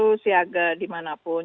polisi polisi itu selalu siaga dimanapun